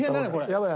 やばい。